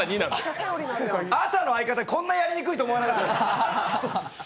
朝の相方、こんなにやりにくいと思わなかった。